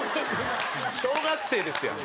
小学生ですやん。